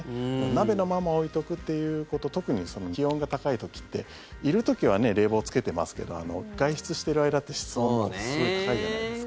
鍋のまま置いておくっていうこと特に気温が高い時っている時は冷房つけてますけど外出してる間って室温すごい高いじゃないですか。